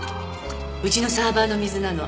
うちのサーバーの水なの。